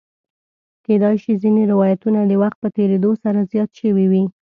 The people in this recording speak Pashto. کېدای شي ځینې روایتونه د وخت په تېرېدو سره زیات شوي وي.